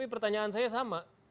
tapi pertanyaan saya sama